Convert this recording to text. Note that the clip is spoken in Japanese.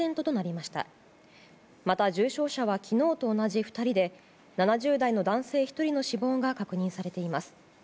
また、重症者は昨日と同じ２人で７０代の男性１人の死亡が確認されています。